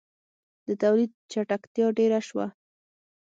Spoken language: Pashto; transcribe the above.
• د تولید چټکتیا ډېره شوه.